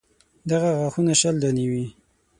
دغه غاښونه شل دانې وي.